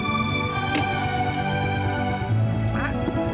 ya allah berhenti